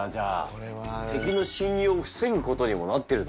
これは。敵の侵入を防ぐことにもなってるという。